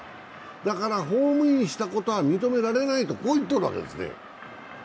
だからホームインしたことは認められないと、こう言っとるわけですね。